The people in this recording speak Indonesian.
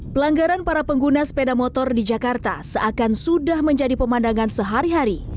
pelanggaran para pengguna sepeda motor di jakarta seakan sudah menjadi pemandangan sehari hari